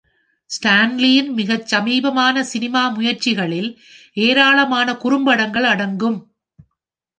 ஸ்டான்லியின் மிகச் சமீபத்திய சினிமா முயற்சிகளில் ஏராளமான குறும்படங்கள் அடங்கும்.